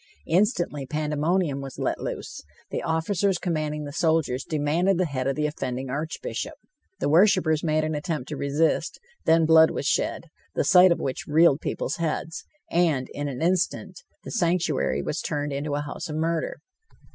Instantly pandemonium was let loose. The officers commanding the soldiers demanded the head of the offending Archbishop. The worshipers made an attempt to resist; then blood was shed, the sight of which reeled people's heads, and, in an instant, the sanctuary was turned into a house of murder.